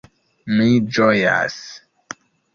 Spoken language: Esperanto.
Mi ĝojas!